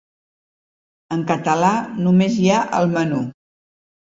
En català només hi ha el menú.